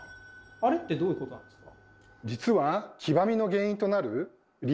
あれってどういうことなんですか？